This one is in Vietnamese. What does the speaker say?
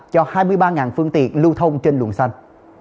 cho hai mươi ba phương tiện lưu thông trên luồng xanh